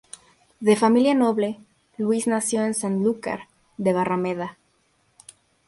De familia noble, Luis nació en Sanlúcar de Barrameda.